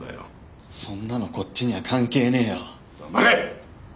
そんなのこっちには関係ねぇよ黙れ！